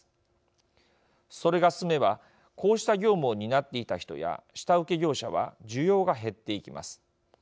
それが進めばこうした業務を担っていた人や下請け業者は需要が減っていきます。